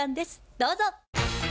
どうぞ。